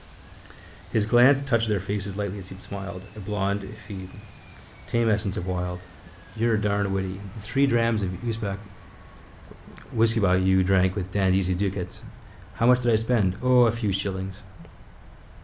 His glance touched their faces lightly as he smiled, a blond ephebe. Tame essence of Wilde. You're darned witty. Three drams of usquebaugh you drank with Dan Deasy's ducats. How much did I spend? O, a few shillings.